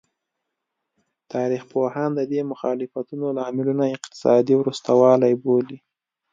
تاریخ پوهان د دې مخالفتونو لاملونه اقتصادي وروسته والی بولي.